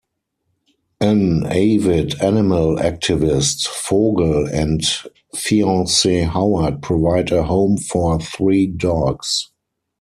An avid animal activist, Vogel and fiancee Howard provide a home for three dogs.